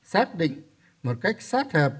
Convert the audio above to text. xác định một cách sát hợp